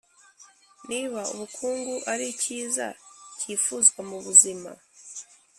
Niba ubukungu ari icyiza cyifuzwa mu buzima,